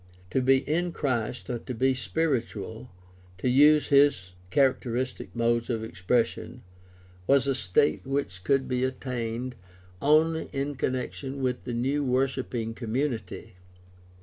To be "in Christ," or to be "spiritual" — ^to use his characteristic modes of expression — was a state which could be attained only in connection with the new worshiping community.